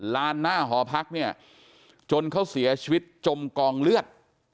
ลานหน้าหอพักเนี่ยจนเขาเสียชีวิตจมกองเลือด